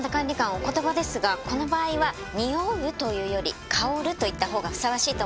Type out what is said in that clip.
お言葉ですがこの場合は「におう」というより「香る」と言ったほうがふさわしいと思います。